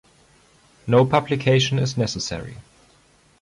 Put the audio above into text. No publication is necessary.